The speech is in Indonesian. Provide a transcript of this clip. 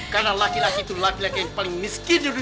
karena laki laki itu laki laki yang paling miskin di dunia